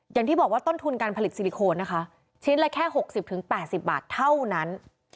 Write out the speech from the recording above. อย่างที่บอกว่าต้นทุนการผลิตซิลิโคนนะคะชิ้นละแค่๖๐๘๐บาทเท่านั้น